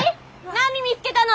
何見つけたの？